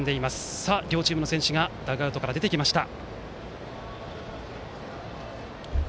さあ、両チームの選手がダグアウトから出てきました。